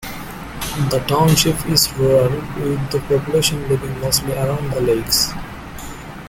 The township is rural with the population living mostly around the lakes.